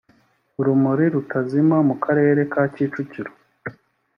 urumuri rutazima mu karere ka kicukiro